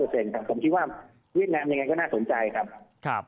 ผมคิดว่าเวียดนามยังไงก็น่าสนใจครับ